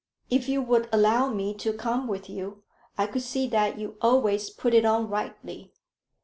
If you would allow me to come with you, I could see that you always put it on rightly.